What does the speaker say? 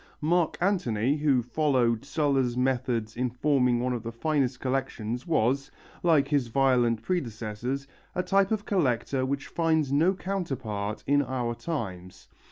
Mark Antony, who followed Sulla's methods in forming one of the finest of collections, was, like his violent predecessors, a type of collector which finds no counterpart in our times.